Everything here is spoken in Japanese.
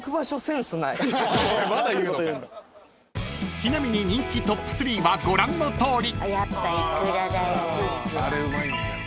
［ちなみに人気トップ３はご覧のとおり］